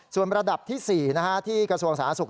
ส่วนระดับที่๔ที่กระทรวงสาธารณสุข